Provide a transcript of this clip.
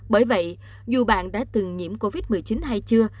bởi vậy dù bạn đã từng nhiễm covid một mươi chín hay chưa